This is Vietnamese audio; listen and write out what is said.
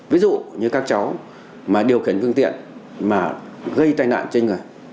ví dụ như các cháu mà điều khiển phương tiện mà gây tai nạn trên người